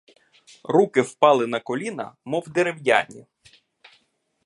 Руки впали на коліна, мов дерев'яні.